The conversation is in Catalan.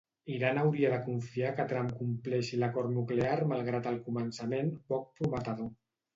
Iran hauria de confiar que Trump compleixi l'acord nuclear malgrat el començament “poc prometedor”.